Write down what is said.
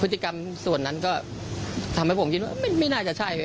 พฤติกรรมส่วนนั้นก็ทำให้ผมคิดว่าไม่น่าจะใช่